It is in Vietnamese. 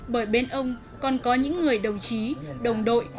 bởi bên ông còn có những người đồng chí đồng đội